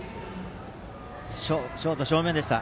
ショート正面でした。